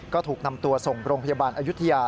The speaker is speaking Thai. ก็ถูกนำตัวส่งโรงพยาบาลอายุทยา